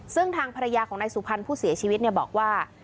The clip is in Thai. ซึ่งทางภรรยาของนายสุพรรณผู้เสียชีวิตบอกว่า